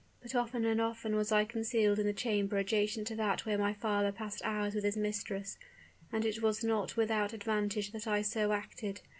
But often and often was I concealed in the chamber adjacent to that where my father passed hours with his mistress; and it was not without advantage that I so acted.